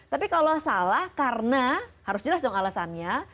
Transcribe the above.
tapi kalau salah karena harus jelas dong alasannya